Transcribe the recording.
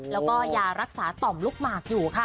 แล้วก็ยารักษาต่อมลูกหมากอยู่ค่ะ